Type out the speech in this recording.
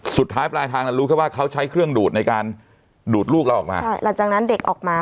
สุดท้ายปลายทางนั้นรู้ก็ว่าเขาใช้เครื่องดูดในการดูดลูกเราออกมา